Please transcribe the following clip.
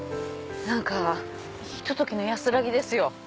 何かひと時の安らぎですよ。